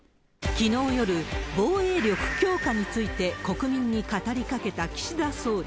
きのう夜、防衛力強化について国民に語りかけた岸田総理。